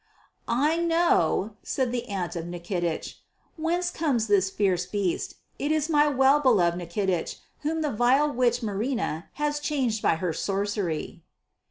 "I know," said the aunt of Nikitich, "whence comes this fierce beast. It is my well beloved Nikitich whom the vile witch Marina has changed by her sorcery."